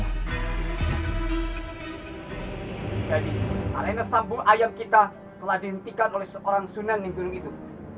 jadi arena sabung ayam kita telah dihentikan oleh seorang sunan di gunung itu